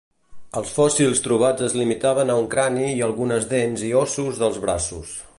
Els fòssils trobats es limitaven a un crani i algunes dents i ossos dels braços.